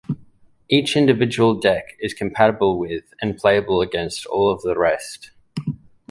Each individual deck is compatible with and playable against all of the rest.